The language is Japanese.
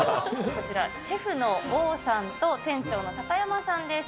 こちら、シェフのオーさんと店長の高山さんです。